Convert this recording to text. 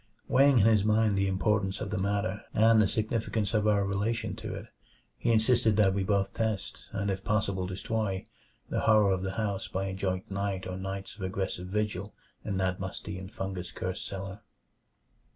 Weighing in his mind the importance of the matter, and the significance of our relation to it, he insisted that we both test and if possible destroy the horror of the house by a joint night or nights of aggressive vigil in that musty and fungus cursed cellar.